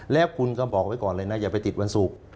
แล้วคุณก็บอกไว้ก่อนเลยนะอย่าไปติดวันศุกร์